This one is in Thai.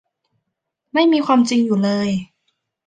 ไม่มีความจริงอยู่เลย